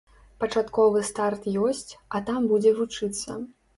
Пачатковы старт ёсць, а там будзе вучыцца.